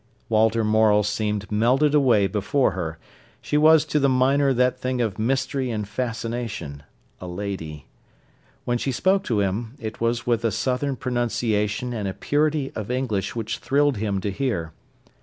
Walter Morel seemed melted away before her. She was to the miner that thing of mystery and fascination, a lady. When she spoke to him, it was with a southern pronunciation and a purity of English which thrilled him to hear.